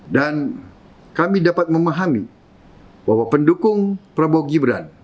dan kami dapat memahami bahwa pendukung prabowo gibran